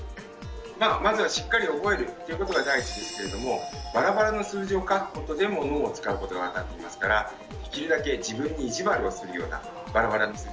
まずはしっかり覚えるっていうことが第一ですけれどもバラバラの数字を書くことでも脳を使うことが分かっていますからできるだけ自分に意地悪をするようなバラバラの数字を書いてみて下さい。